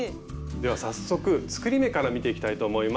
では早速作り目から見ていきたいと思います。